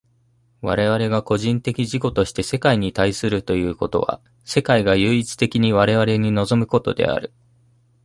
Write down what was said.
我々が個人的自己として世界に対するということは、世界が唯一的に我々に臨むことである。